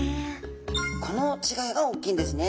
この違いが大きいんですね。